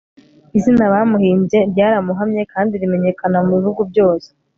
izina bamuhimbye ryaramuhamye kandi rimenyekana mu bihugu byose